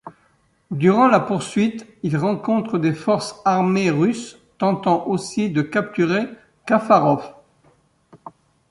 Durant la poursuite, ils rencontrent des forces armées russes tentant aussi de capturer Kaffarov.